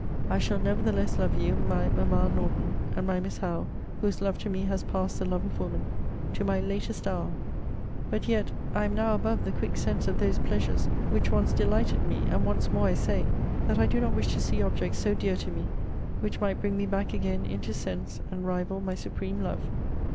I shall nevertheless love you, my Mamma Norton, and my Miss Howe, whose love to me has passed the love of woman, to my latest hour! But yet, I am now above the quick sense of those pleasures which once delighted me, and once more I say, that I do not wish to see objects so dear to me, which might bring me back again into sense, and rival my supreme love.